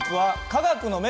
科学の目？